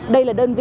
đây là đơn vị